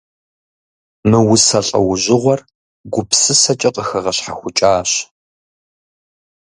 Мы усэ лӀэужьыгъуэр гупсысэкӏэ къыхэгъэщхьэхукӀащ.